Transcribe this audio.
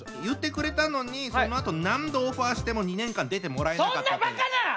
言ってくれたのにそのあと何度オファーしても２年間出てもらえなかったんで。